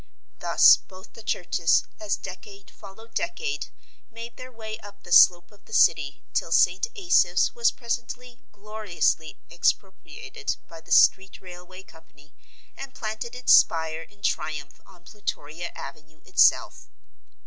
Thus both the churches, as decade followed decade, made their way up the slope of the City till St. Asaph's was presently gloriously expropriated by the street railway company, and planted its spire in triumph on Plutoria Avenue itself.